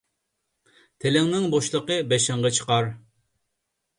تىلىڭنىڭ بوشلۇقى بېشىڭغا چىقار.